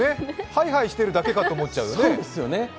ハイハイしてるだけかと思っちゃうよね。